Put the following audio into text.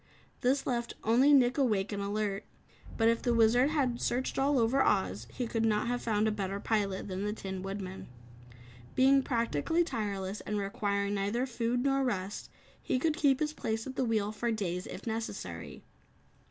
This left only Nick awake and alert. But if the Wizard had searched all over Oz, he could not have found a better pilot than the Tin Woodman. Being practically tireless and requiring neither food nor rest, he could keep his place at the wheel for days if necessary.